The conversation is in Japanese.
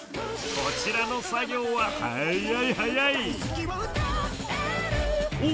こちらの作業は早い早い！